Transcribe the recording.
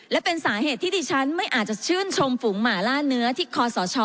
และเป็นสาเหตุที่ดิฉันไม่อาจจะชื่นชมฝูงหมาล่าเนื้อที่คอสช